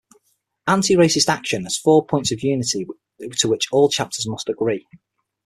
Anti-Racist Action has four points of unity to which all chapters must agree.